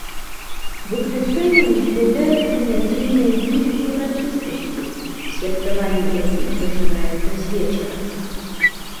Выключэннем з'яўляюцца нядзельныя дні і ўрачыстасці, святкаванне якіх пачынаецца з вечара.